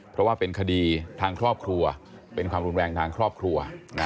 เพราะว่าเป็นคดีทางครอบครัวเป็นความรุนแรงทางครอบครัว